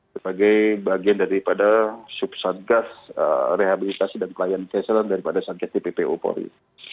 sebagai bagian dari pada subsadgas rehabilitasi dan klien kesel daripada sakit tppo polri